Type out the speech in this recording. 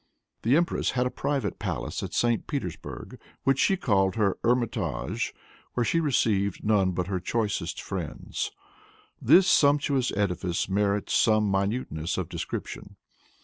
The empress had a private palace at St. Petersburg which she called her Hermitage, where she received none but her choicest friends. This sumptuous edifice merits some minuteness of description.